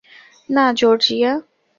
না, জর্জিয়া।